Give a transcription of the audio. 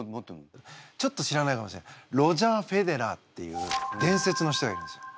ちょっと知らないかもしれないロジャー・フェデラーっていう伝説の人がいるんですよ。